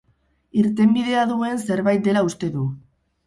Irtenbidea duen zerbait dela uste du.